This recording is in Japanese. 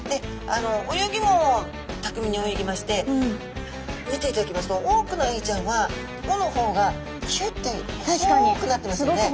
泳ぎもたくみに泳ぎまして見ていただきますと多くのエイちゃんはおの方がひゅって細くなってますよね。